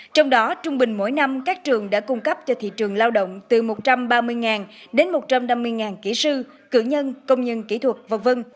trong đó trung bình mỗi năm các trường đã cung cấp cho thị trường lao động từ một trăm ba mươi đến một trăm năm mươi kỹ sư cử nhân công nhân kỹ thuật v v